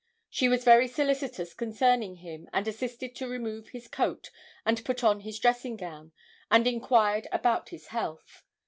She was very solicitous concerning him and assisted to remove his coat and put on his dressing gown and inquired about his health.